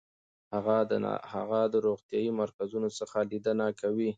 هغه د روغتیايي مرکزونو څخه لیدنه کوي.